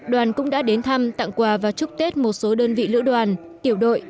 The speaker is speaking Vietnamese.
đoàn cũng đã đến thăm tặng quà và chúc tết một số đơn vị lữ đoàn tiểu đội